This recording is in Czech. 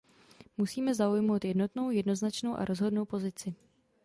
Musíme zaujmout jednotnou, jednoznačnou a rozhodnou pozici.